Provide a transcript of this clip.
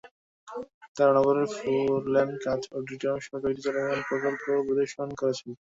তাঁরা নগরের four lane কাজ, অডিটরিয়ামসহ কয়েকটি চলমান প্রকল্প পরিদর্শন করেছেন।